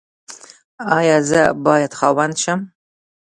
ایا زه باید خاوند شم؟